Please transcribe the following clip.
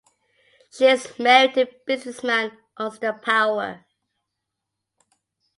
She is married to businessman Austin Power.